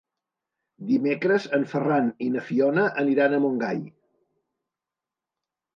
Dimecres en Ferran i na Fiona aniran a Montgai.